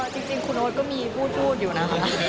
จริงคุณโอ๊ตก็มีพูดอยู่นะคะ